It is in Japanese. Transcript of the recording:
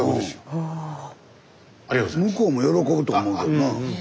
スタジオ向こうも喜ぶと思うけどな。